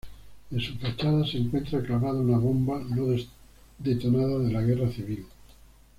En su fachada se encuentra clavada una bomba no detonada de la Guerra Civil.